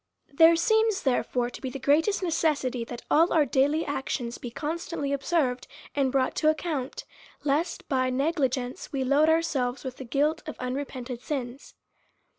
There seems, therefore, to be the greatest necessity, that all our daily actions be constantly observed and brought to account, lest, by a negligence, we load ourselves with the guilt of unrepented sins.